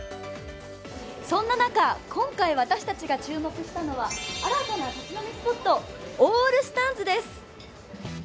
そんな中、今回私たちが注目したのは新たな立ち飲みスポットＡＬＬＳＴＡＮＤＳです。